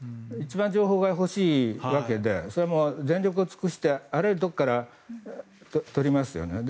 一番情報が欲しいわけでそれは全力を尽くしてあらゆるところから取りますよね。